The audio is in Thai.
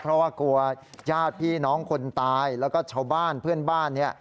เพราะว่ากลัวญาติพี่น้องคนตายแล้วก็ชาวบ้านเพื่อนบ้านเนี่ย